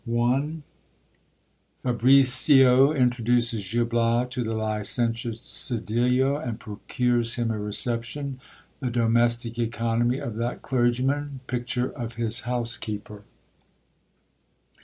I. — Fabricio introduces Gil Bias to the Licentiate Sedillo, and procures kirn a reception. The domestic economy of that clergyman. Pictu7 e of his housekeeper.